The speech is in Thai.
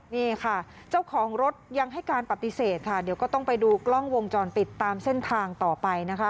นี่ค่ะเจ้าของรถยังให้การปฏิเสธค่ะเดี๋ยวก็ต้องไปดูกล้องวงจรปิดตามเส้นทางต่อไปนะคะ